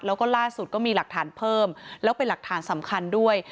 แล้วก็ล่าสุดก็มีหลักฐานเพิ่มแล้วเป็นหลักฐานสำคัญด้วย